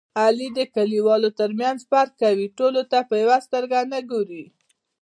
علي د کلیوالو ترمنځ فرق کوي. ټولو ته په یوه سترګه نه ګوري.